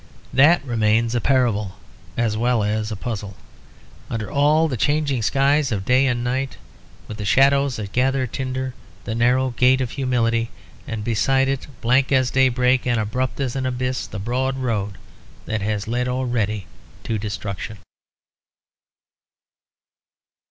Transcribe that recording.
That remains a parable as well as a puzzle, under all the changing skies of day and night; with the shadows that gather tinder the narrow Gate of Humility; and beside it, blank as daybreak and abrupt as an abyss, the broad road that has led already to destruction.